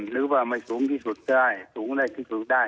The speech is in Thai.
หรือว่าไม่สูงที่สุดได้สูงได้ที่สุดได้